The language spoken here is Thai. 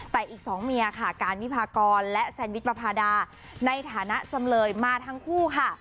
แต่อีกสองเมียค่ะการวิพากรและแซนวิชประพาดาในฐานะจำเลยมาทั้งคู่ค่ะ